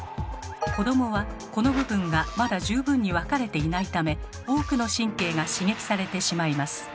子どもはこの部分がまだ十分に分かれていないため多くの神経が刺激されてしまいます。